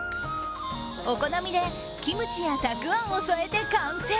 お好みでキムチやたくあんを添えて完成。